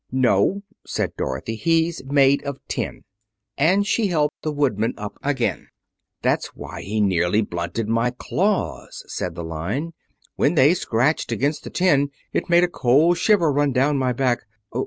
"No," said Dorothy, "he's made of tin." And she helped the Woodman up again. "That's why he nearly blunted my claws," said the Lion. "When they scratched against the tin it made a cold shiver run down my back.